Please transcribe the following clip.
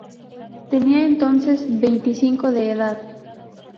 Tenía entonces veinticinco de edad.